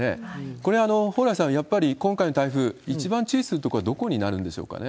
これ、蓬莱さん、やっぱり今回の台風、一番注意するところはどこになるんでしょうかね？